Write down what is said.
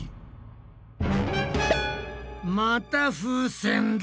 また風船だ！